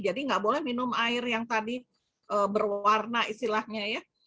jadi nggak boleh minum air yang tadi berwarna istilahnya ya